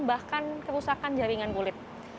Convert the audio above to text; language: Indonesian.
bahkan kerusakan jaringan kulit